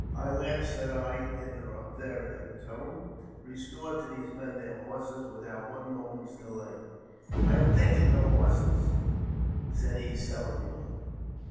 "High Lance," said I, in an authoritative tone, "restore to these men their horses without one moment's delay." " I have taken no horses," said he, sullenly.